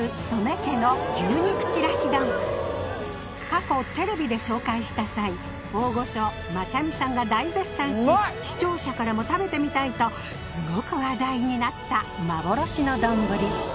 過去テレビで紹介した際大御所マチャミさんが大絶賛し視聴者からも食べてみたいとすごく話題になった幻の丼